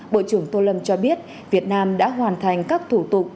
bộ trưởng tô lâm cho biết việt nam đã hoàn thành các thủ tục